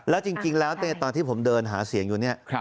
แล้วจริงแล้วตอนที่ผมเดินหาเสียงอยู่เนี่ย